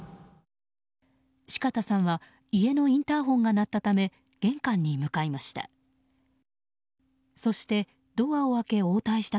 四方さんは家のインターホンが鳴ったため玄関に向かいました。